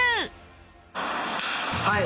はい。